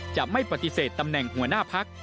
จะไม่ปฏิเสธตำแหน่งหัวหน้าพัก